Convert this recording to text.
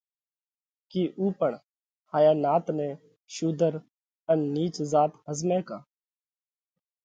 ڪِي اُو پڻ ھايا نات نئہ شُوڌر ان نِيچ زات ۿزمئھ ڪا